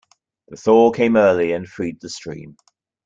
The thaw came early and freed the stream.